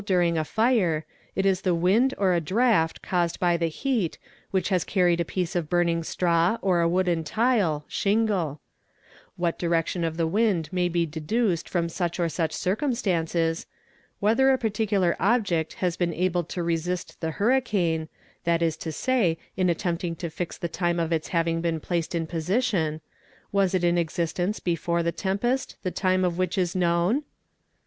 during a fire, it is the wind or a draught caused by the heat, which has carried a piece of burning straw or a wooden tile (shingle) ; what direction of the wind may be deduced from such or such circumstances; whether a particular object has been able to resist the hurricane, that is to say, in attempting to fix the time of its having been placed in position—was it in existence before the tempest, the time of which is known?